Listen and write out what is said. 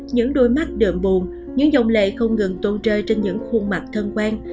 những đôi mắt đượm buồn những dòng lệ không ngừng tôn trời trên những khuôn mặt thân quen